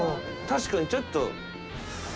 確かにちょっと。